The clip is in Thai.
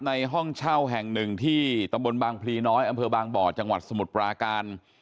ห้องเช่าแห่งหนึ่งที่ตำบลบางพลีน้อยอำเภอบางบ่อจังหวัดสมุทรปราการ